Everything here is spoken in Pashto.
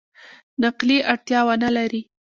نقلي اړتیا ونه لري.